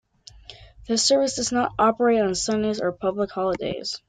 The service does not operate on Sundays or public holidays.